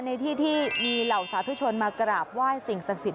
ในที่ที่มีเหล่าสาธุชนมากราบไหว้สิ่งศักดิ์สิทธ